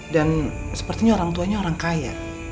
dan sepertinya orang tuanya orang kaya